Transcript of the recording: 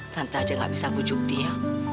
tante aja gak bisa bujuk dia